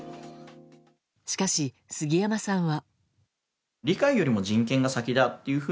しかし、杉山さんは。